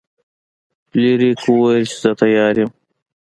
فلیریک وویل چې زه تیار یم.